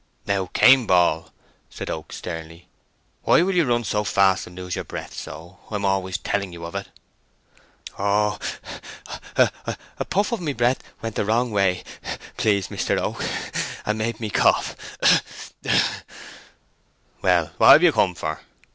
"Now, Cain Ball," said Oak, sternly, "why will you run so fast and lose your breath so? I'm always telling you of it." "Oh—I—a puff of mee breath—went—the—wrong way, please, Mister Oak, and made me cough—hok—hok!" "Well—what have you come for?"